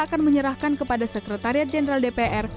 akan menyerahkan kepada sekretariat jenderal dpr